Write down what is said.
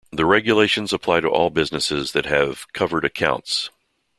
The regulations apply to all businesses that have "covered accounts".